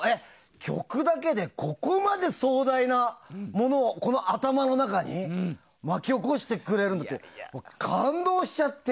曲だけで、ここまで壮大なものをこの頭の中に巻き起こしてくれるなんて感動しちゃって。